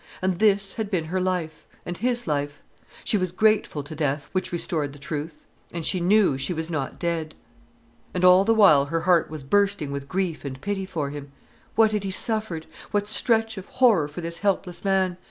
—And this had been her life, and his life.—She was grateful to death, which restored the truth. And she knew she was not dead. And all the while her heart was bursting with grief and pity for him. What had he suffered? What stretch of horror for this helpless man!